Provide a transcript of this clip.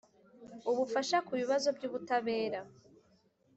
Ubufasha ku bibazo by ubutabera